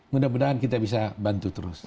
mudah mudahan kita bisa bantu terus